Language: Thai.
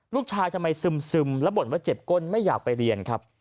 ทำไมซึมแล้วบ่นว่าเจ็บก้นไม่อยากไปเรียนครับ